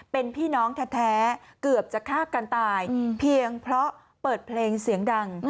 เป็นพี่น้องแท้เกือบจะฆ่ากันตายเพียงเพราะเปิดเพลงเสียงดัง